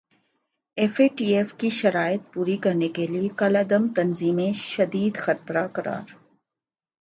F A T F کی شرائط پوری کرنے کیلئے کالعدم تنظیمیںشدید خطرہ قرار